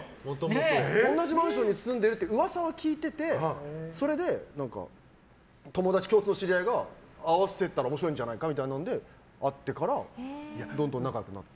同じマンションに住んでるって噂を聞いててそれで共通の知り合いが会わせたら面白いんじゃないかみたいなので会ってからどんどん仲良くなって。